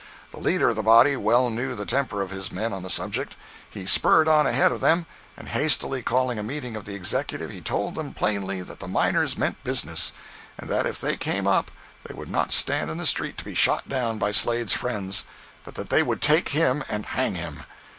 The leader of the body well knew the temper of his men on the subject. He spurred on ahead of them, and hastily calling a meeting of the executive, he told them plainly that the miners meant "business," and that, if they came up, they would not stand in the street to be shot down by Slade's friends; but that they would take him and hang him.